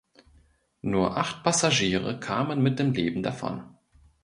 Nur acht Passagiere kamen mit dem Leben davon.